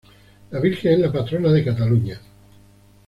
La Virgen es la patrona de Cataluña.